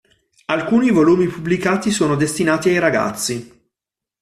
Alcuni volumi pubblicati sono destinati ai ragazzi.